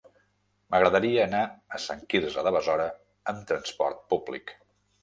M'agradaria anar a Sant Quirze de Besora amb trasport públic.